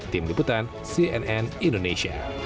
tim liputan cnn indonesia